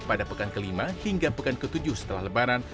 pada pekan kelima hingga pekan ke tujuh setelah lebaran